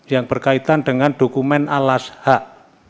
yang berkaitan dengan dokumen alas hak